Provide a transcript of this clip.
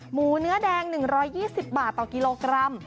หมูเนื้อแดง๑๒๐บาทต่อกิโลกรัม